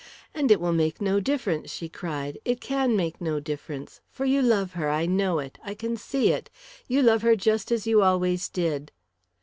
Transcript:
"And it will make no difference!" she cried. "It can make no difference for you love her I know it I can see it you love her just as you always did!"